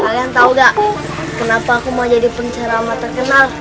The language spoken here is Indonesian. kalian tau nggak kenapa aku mau jadi penceramah terkenal